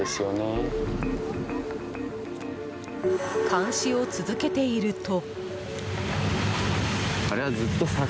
監視を続けていると。